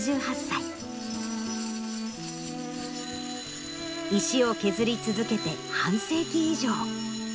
石を削り続けて半世紀以上。